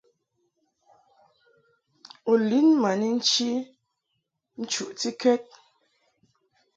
U lin ma ni nchi nchuʼtikɛd.